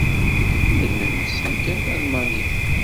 Nella nessen kan talmanit.